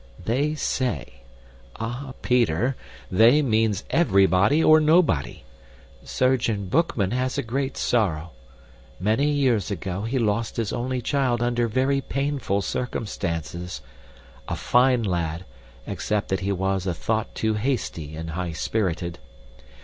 "They say. Ah, Peter, 'they' means everybody or nobody. Surgeon Boekman has had a great sorrow. Many years ago he lost his only child under very painful circumstances. A fine lad, except that he was a thought too hasty and high spirited.